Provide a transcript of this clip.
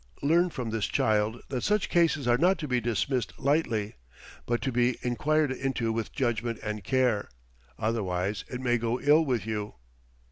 Learn from this child that such cases are not to be dismissed lightly, but to be inquired into with judgment and care. Otherwise it may go ill with you."